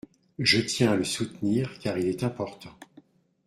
Je tiens à le soutenir, car il est important.